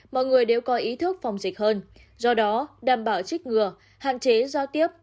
mọi người đều có ý thức phòng dịch hơn do đó đảm bảo trích ngừa hạn chế giao tiếp